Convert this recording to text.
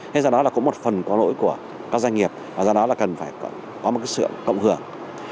thế do đó là cũng một phần có lỗi của các doanh nghiệp và do đó là cần phải có một sự cộng hưởng